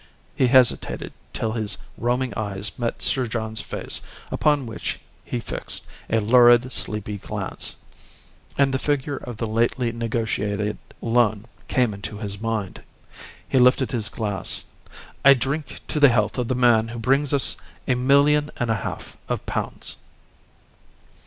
He hesitated till his roaming eyes met Sir John's face upon which he fixed a lurid, sleepy glance; and the figure of the lately negotiated loan came into his mind. He lifted his glass. "I drink to the health of the man who brings us a million and a half of pounds."